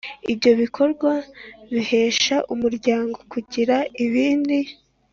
Ibyo bikorwa bihesha umuryango kugira ibindi